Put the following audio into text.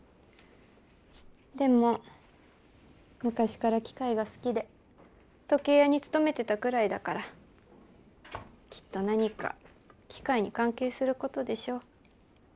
でも昔から機械が好きで時計屋に勤めてたぐらいだからきっと何か機械に関係することでしょう。